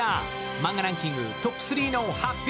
漫画ランキングトップ３の発表。